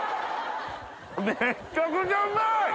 めっちゃくちゃうまい！